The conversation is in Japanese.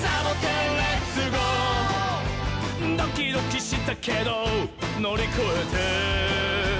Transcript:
「ドキドキしたけどのりこえて」